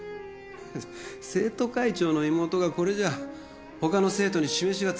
フフッ生徒会長の妹がこれじゃ他の生徒に示しがつかん。